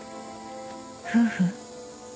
夫婦？］